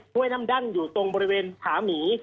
้วยน้ำดั้งอยู่ตรงบริเวณผาหมี